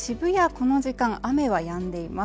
この時間、雨は止んでいます。